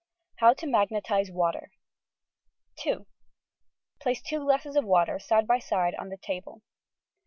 HOW TO MAGNETIZE WATER 2. Place two glasses of water side by side on the table.